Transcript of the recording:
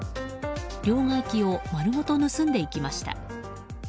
両替機を丸ごと盗んでいきました。